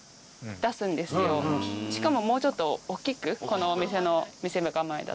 しかももうちょっと大きくこのお店の構えだと。